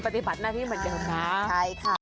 ปฏิบัติหน้าที่เหมือนกันค่ะ